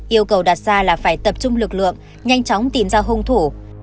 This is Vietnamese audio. yêu cầu đặt ra là phải tập trung lực lượng nhanh chóng tìm ra hung thủ